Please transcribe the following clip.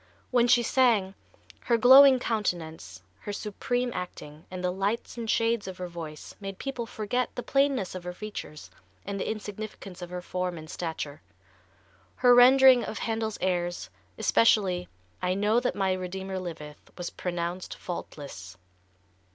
When she sang, her glowing countenance, her supreme acting and the lights and shades of her voice made people forget the plainness of her features and the insignificance of her form and stature. Her rendering of Handel's airs, especially "I Know that My Redeemer Liveth," was pronounced faultless.